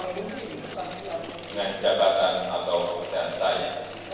dengan jabatan atau pekerjaan saya